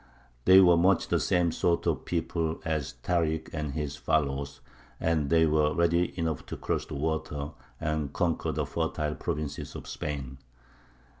They were much the same sort of people as Tārik and his followers, and they were ready enough to cross the water and conquer the fertile provinces of Spain.